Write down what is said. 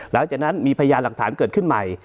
หลังจากนั้นมีพยานหลักฐานเกิดขึ้นใหม่